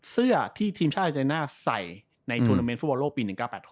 เสื้อที่ทีมชาติอาจารย์น่าใส่ในธุรกิจฟุตบอลโลกปี๑๙๘๖